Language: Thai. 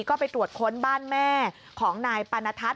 ก็ไปตรวจค้นบ้านแม่ของนายปานทัศ